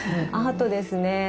アートですね。